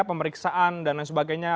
pemeriksaan dan lain sebagainya